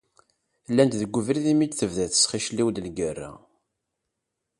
Llant deg ubrid mi d-tebda tesxicliw-d legerra.